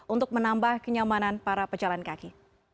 untuk menambah kenyamanan para pejalan kaki